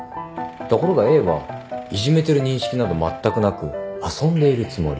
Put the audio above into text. ところがＡはいじめてる認識などまったくなく遊んでいるつもり。